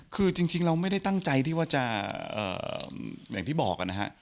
คือจริงเราไม่ได้ตั้งใจที่ว่าจะอย่างที่บอกนะฮะ